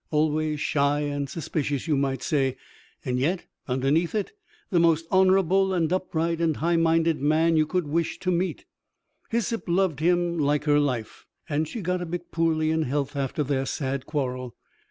Always shy and suspicious, you might say; and yet, underneath it, the most honorable and upright and high minded man you could wish to meet. Hyssop loved him like her life, and she got a bit poorly in health after their sad quarrel.